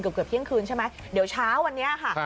เกือบเที่ยงคืนใช่ไหมเดี๋ยวเช้าวันนี้ค่ะ